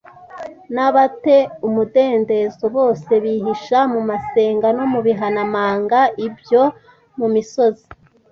n aba te umudendezo bose bihisha mu masenga no mu bihanamanga l byo mu misozi